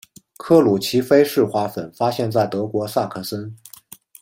克鲁奇菲氏花粉发现在德国萨克森。